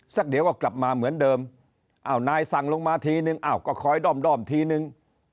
เดี๋ยวก็กลับมาเหมือนเดิมอ้าวนายสั่งลงมาทีนึงอ้าวก็คอยด้อมทีนึง